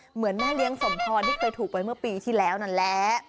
เหมือนแม่เลี้ยงสมพรที่เคยถูกไปเมื่อปีที่แล้วนั่นแหละ